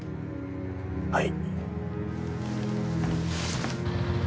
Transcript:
はい。